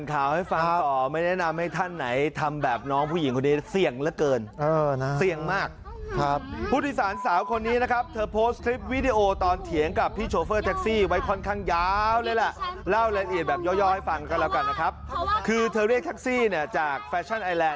คิดเห็นยังไงกับเหตุการณ์นี้ค่ะ